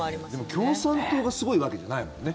でも共産党がすごいわけじゃないもんね。